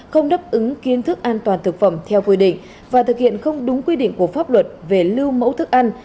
không đáp ứng kiến thức an toàn thực phẩm theo quy định và thực hiện không đúng quy định của pháp luật về lưu mẫu thức ăn